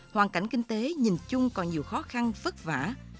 hoàn cảnh kinh tế nhìn chung còn nhiều khó khăn vất vả